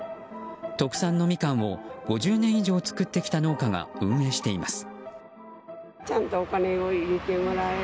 特産のミカンを５０年以上作ってきた農家が運営しています。